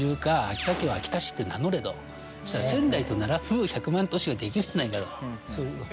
そしたら仙台と並ぶ１００万都市ができるじゃないかと。